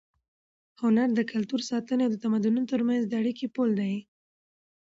هنر د کلتور ساتونکی او د تمدنونو تر منځ د اړیکې پُل دی.